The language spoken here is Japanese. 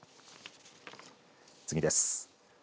次です。